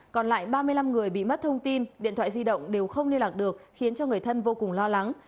còn lại ba mươi năm người bị mất thông tin điện thoại di động đều không liên lạc được khiến cho người thân vô cùng lo lắng